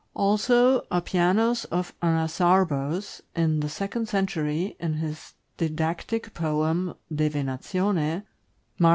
also Oppi anus of Anazarbos, in the second century, in his didactic poem, "De Venatione," Marc.